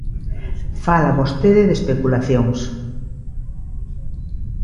Fala vostede de especulacións.